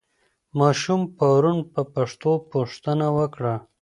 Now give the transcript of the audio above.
ماشوم پرون په پښتو پوښتنه وکړه.